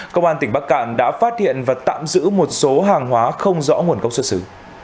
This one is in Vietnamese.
công an tỉnh bắc cạn đã phát hiện và tạm giữ một số hàng hóa không rõ nguồn gốc xuất xứ